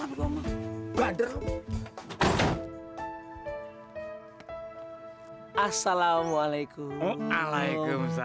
gue bilang keluar gue akan garot